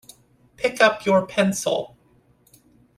Pick up your pencil.